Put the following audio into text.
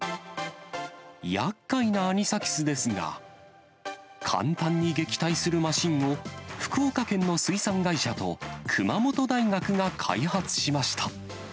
やっかいなアニサキスですが、簡単に撃退するマシンを福岡県の水産会社と熊本大学が開発しました。